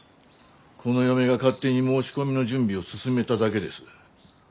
この嫁が勝手に申し込みの準備を進めただけです。